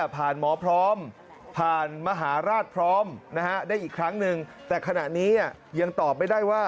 หมอพร้อมผ่านมหาราชพร้อมนะฮะได้อีกครั้งหนึ่งแต่ขณะนี้ยังตอบไม่ได้ว่า